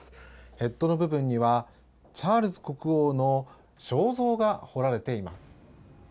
ヘッドの部分にはチャールズ国王の肖像が彫られています。